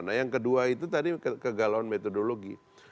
nah yang kedua itu tadi kegalauan metodologi